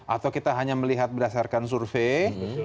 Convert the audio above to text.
atau kita hanya melihat berdasarkan survei